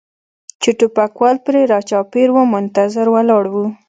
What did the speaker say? چې ټوپکوال پرې را چاپېر و منتظر ولاړ و.